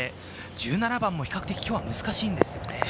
１７番も比較的、きょうは難しいんですよね。